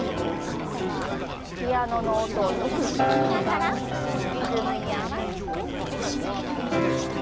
ピアノの音をよく聞きながらリズムに合わせて。